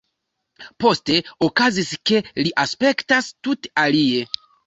Poste okazis, ke li aspektas tute alie.